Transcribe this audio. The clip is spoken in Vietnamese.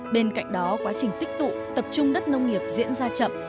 bên cạnh đó quá trình tích tụ tập trung đất nông nghiệp diễn ra chậm